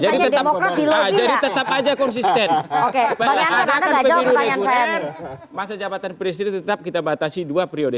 jadi tetap aja konsisten oke masa jabatan presiden tetap kita batasi dua priode